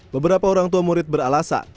beberapa orang tua murid beralasan